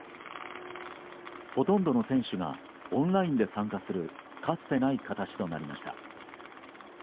ほとんどの選手がオンラインで参加するかつてない形となりました。